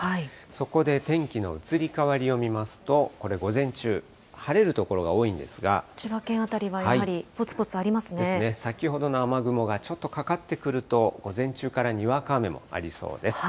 そこで天気の移り変わりを見ますと、これ午前中、晴れる所が多い千葉県辺りはやはり、ぽつぽですね、先ほどの雨雲がちょっとかかってくると午前中からにわか雨もありそうです。